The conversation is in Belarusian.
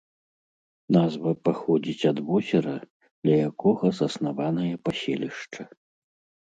Назва паходзіць ад возера, ля якога заснаванае паселішча.